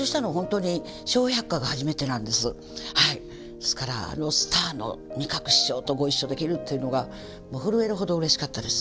ですからあのスターの仁鶴師匠とご一緒できるっていうのがもう震えるほどうれしかったです。